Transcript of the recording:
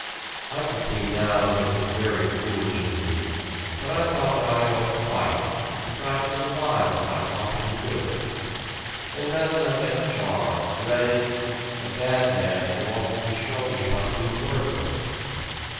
I can see now that it was very foolish of me; but I thought that I ought to fight, and try to survive if I possibly could. And then I met Char that is, a bad man who offered to show me how to be a burglar."